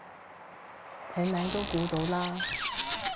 睇名都估到啦